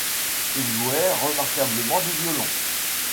Il jouait remarquablement du violon.